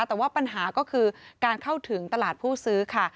แต่ว่าปัญหาก็คือการเข้าถึงตลาดผู้ซื้อค่ะ